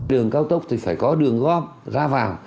đường cao tốc thì phải có đường gom ra vào